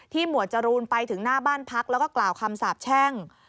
หมวดจรูนไปถึงหน้าบ้านพักแล้วก็กล่าวคำสาบแช่ง